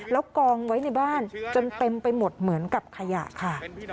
แล้วกองไว้ในบ้านจนเต็มไปหมดเหมือนกับขยะค่ะ